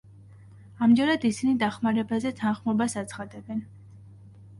ამჯერად ისინი დახმარებაზე თანხმობას აცხადებენ.